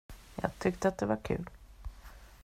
Jag tyckte att det var kul.